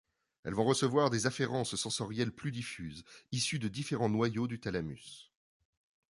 Elles vont recevoir des afférences sensorielles plus diffuses, issues de différents noyaux du thalamus.